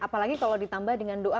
apalagi kalau ditambah dengan doa